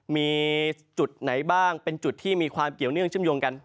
มีจุดไหนบ้างเป็นจุดที่มีความเกี่ยวเนื่องเชื่อมโยงกัน